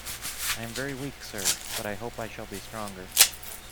I am very weak, sir, but I hope I shall be stronger.